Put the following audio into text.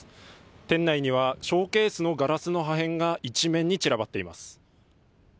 店内にはショーケースのガラスの破片が一面に散らばっています。